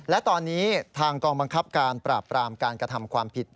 และตอนนี้ทางกองบังคับการปราบปรามการกระทำความผิด